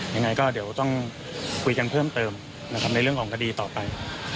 ยังไงก็เดี๋ยวต้องคุยกันเพิ่มเติมนะครับในเรื่องของคดีต่อไป